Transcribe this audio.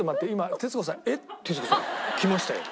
徹子さんきましたよ。